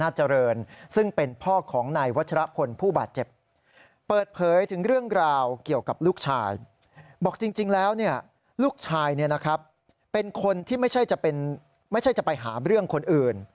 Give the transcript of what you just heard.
จริงแล้วลูกชายเป็นคนที่ไม่ใช่จะไปหาเรื่องคนอื่น